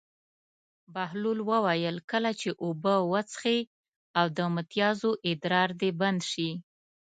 بهلول وویل: کله چې اوبه وڅښې او د متیازو ادرار دې بند شي.